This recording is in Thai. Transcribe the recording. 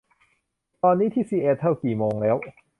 ตอนนี้ที่ซีแอตเทิลกี่โมงแล้ว